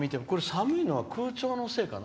寒いのは空調のせいかな。